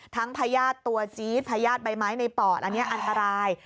พญาติตัวจี๊ดพญาติใบไม้ในปอดอันนี้อันตราย